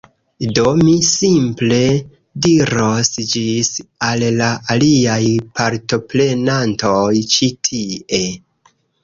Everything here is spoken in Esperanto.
Do, mi simple diros ĝis al la aliaj partoprenantoj ĉi tie